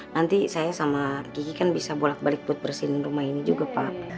nanti saya sama gigi kan bisa bolak balik buat bersihin rumah ini juga pak